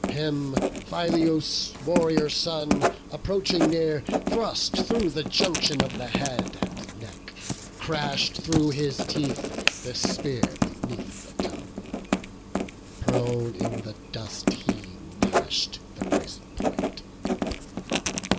Him, Phyleus' warrior son, approaching near, Thrust through the junction of the head and neck; Crash'd through his teeth the spear beneath the tongue; Prone in the dust he gnash'd the brazen point.